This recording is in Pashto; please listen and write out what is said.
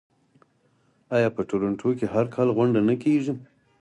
آیا په تورنټو کې هر کال غونډه نه کیږي؟